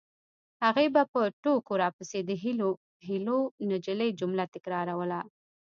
هغې به په ټوکو راپسې د هیلو نجلۍ جمله تکراروله